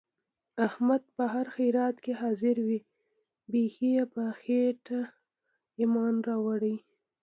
احمد په هر خیرات کې حاضر وي. بیخي یې په خېټه ایمان راوړی.